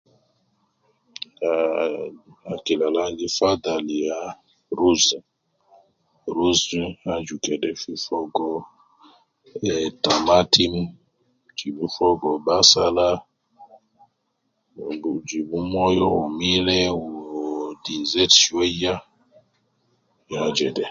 Ahh, akil al an gi fadhal ya rus, rus aju kede fi fogo em timatim, jibu fogo basala, jibu moyo wu mile wu dinze shwiya, ya jede